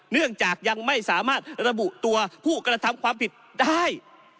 เนื่องจากยังไม่สามารถระบุตัวผู้กระทำความผิดได้